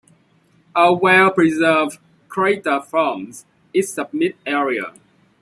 A well-preserved crater forms its summit area.